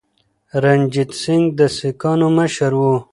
رنجیت سنګ د سکانو مشر و.